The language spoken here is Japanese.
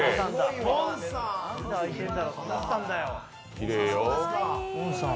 きれいよ。